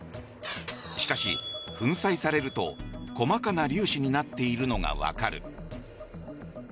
しかし粉砕されると細かな粒子になっているのが分かる。